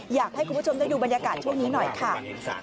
อยากให้คุณผู้ชมได้ดูบรรยากาศช่วงนี้หน่อยค่ะ